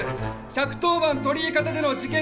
１１０番鳥居方での事件